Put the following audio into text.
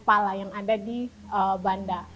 pala yang ada di bandar